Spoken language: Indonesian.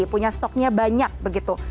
punya stoknya banyak begitu